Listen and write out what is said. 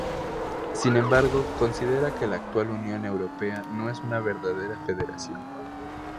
Sin embargo, considera que la actual Unión Europea no es una verdadera federación.